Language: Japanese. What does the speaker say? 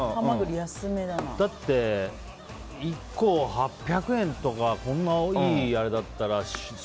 だって、１個８００円とかこんなにいいものだったらしますよ。